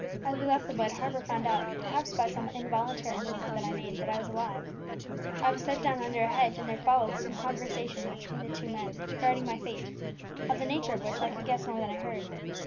As we left the wood, Harper found out, perhaps by some involuntary movement that I made, that I was alive. I was set down under a hedge, and there followed some conversation between the two men regarding my fate, of the nature of which I could guess more than I heard.